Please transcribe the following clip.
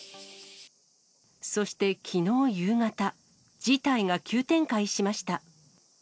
そしてきのう夕方、事態が急展開しました。